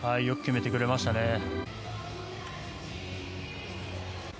よく決めてくれましたね。